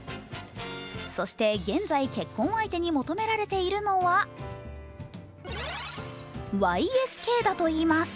そして現在、結婚相手に求められているのはＹＳＫだといいます。